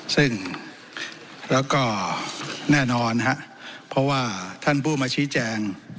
ซึ่งแล้วก็แน่นอนฮะเพราะว่าท่านผู้มาชี้แจง